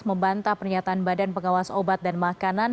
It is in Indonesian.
membantah pernyataan badan pengawas obat dan makanan